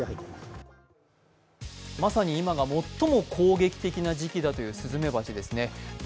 まさに今が最も攻撃的な時期だというスズメバチですね。